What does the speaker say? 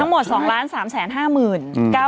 ทั้งหมด๒ล้าน๓แสน๕หมื่น